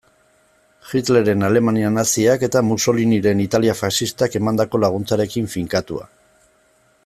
Hitlerren Alemania naziak eta Mussoliniren Italia faxistak emandako laguntzarekin finkatua.